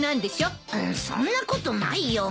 そんなことないよ。